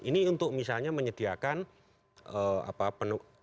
ini untuk misalnya menyediakan